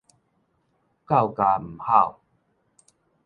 狗咬毋吼